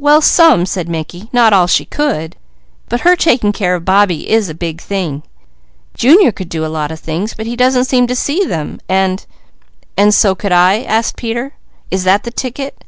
"Well some," said Mickey. "Not all she could! But her taking care of Bobbie is a big thing. Junior could do a lot of things, but he doesn't seem to see them, and " "And so could I?" asked Peter. "Is that the ticket?"